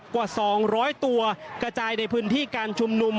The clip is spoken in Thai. กว่า๒๐๐ตัวกระจายในพื้นที่การชุมนุม